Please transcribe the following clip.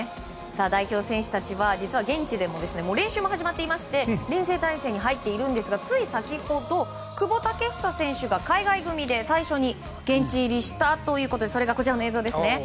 代表選手たちは現地でも練習も始まっていまして臨戦態勢に入っていますがつい先ほど久保建英選手が、海外組みで最初に現地入りしたということでそれが、こちらの映像。